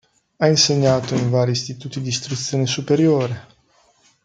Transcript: Ha insegnato in vari istituti di istruzione superiore.